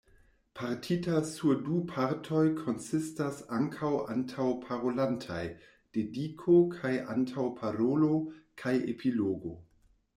Partita sur du partoj konsistas ankaŭ antaŭparolantaj dediko kaj antaŭparolo, kaj epilogo.